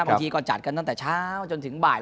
บางทีก็จัดกันตั้งแต่เช้าจนถึงบ่าย